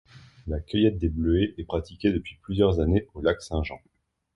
La cueillette de bleuets est pratiquée depuis plusieurs années au Lac-St-Jean.